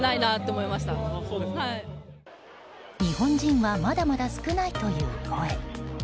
日本人はまだまだ少ないという声。